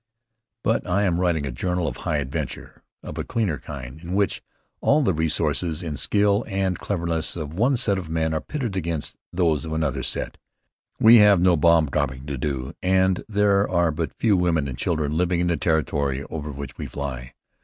But I am writing a journal of high adventure of a cleaner kind, in which all the resources in skill and cleverness of one set of men are pitted against those of another set. We have no bomb dropping to do, and there are but few women and children living in the territory over which we fly.